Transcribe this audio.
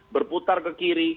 berputar ke kiri